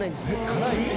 辛い？